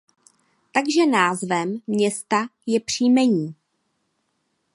Takže názvem města je příjmení.